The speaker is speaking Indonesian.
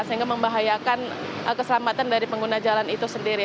sehingga membahayakan keselamatan dari pengguna jalan itu sendiri